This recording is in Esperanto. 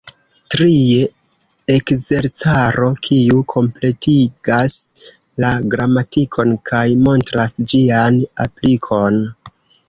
Trie, Ekzercaro, kiu kompletigas la gramatikon kaj montras ĝian aplikon.